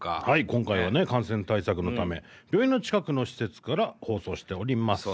今回は感染対策のため病院の近くの施設から放送しております。